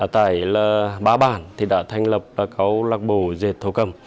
tại là ba bản thì đã thành lập là có lạc bổ dệt thổ cẩm